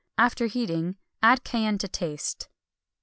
After heating, add cayenne to taste.